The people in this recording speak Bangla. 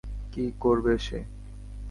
কী করবে সে?